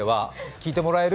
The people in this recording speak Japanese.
聞いてもらえる？